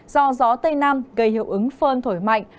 do gió tây nam gây hiệu ứng phơn thổi mạnh